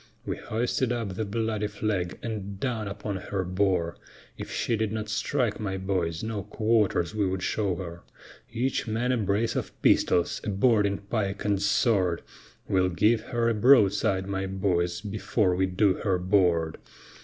We hoisted up the bloody flag and down upon her bore, If she did not strike, my boys, no quarters we would show her; Each man a brace of pistols, a boarding pike and sword, We'll give her a broadside, my boys, before we do her board.